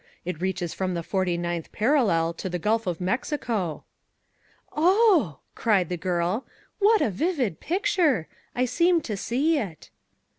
It reaches from the forty ninth parallel to the Gulf of Mexico." "Oh," cried the girl, "what a vivid picture! I seem to see it."